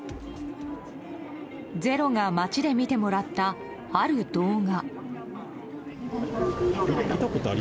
「ｚｅｒｏ」が街で見てもらったある動画。